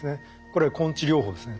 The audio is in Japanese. これは根治療法ですね。